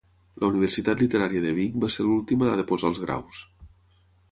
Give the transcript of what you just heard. La Universitat Literària de Vic va ser l'última a deposar els graus.